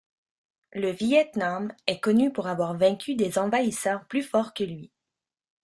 Le Viêt Nam est connu pour avoir vaincu des envahisseurs plus forts que lui.